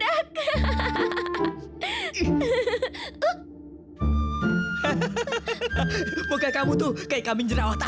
hahaha mukanya kamu tuh kayak kambing jerawatan